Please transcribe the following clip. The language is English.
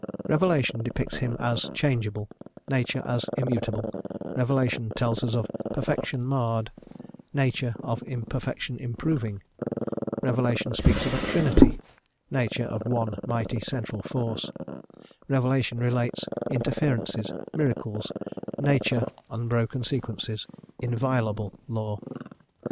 Revelation depicts Him as changeable, nature as immutable; revelation tells us of perfection marred, nature of imperfection improving; revelation speaks of a Trinity, nature of one mighty central Force; revelation relates interferences, miracles, nature unbroken sequences, inviolable law.